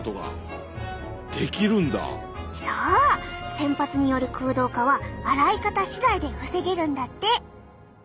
洗髪による空洞化は洗い方次第で防げるんだって。